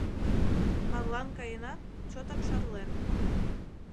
Марлан каенат, чотак шарлен.